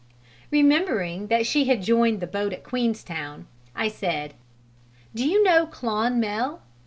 Remembering that she had joined the boat at Queenstown, I said, "Do you know Clonmel?